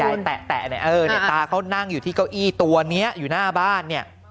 ยายแตะเนี่ยตาเขานั่งอยู่ที่เก้าอี้ตัวเนี่ยอยู่หน้าบ้านเนี่ย